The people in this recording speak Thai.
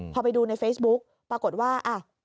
พอไปดูในเฟซบุ๊กปรากฏว่า